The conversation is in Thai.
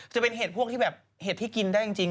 จะเป็นเหตุพวกเห็ดที่กินได้จริง